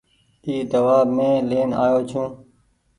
اي دوآ مين لين آيو ڇون ۔